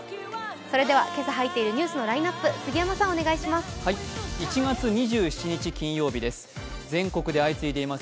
それでは今朝入っているニュースのラインナップ、杉山さん、お願いします。